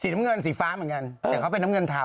น้ำเงินสีฟ้าเหมือนกันแต่เขาเป็นน้ำเงินเทา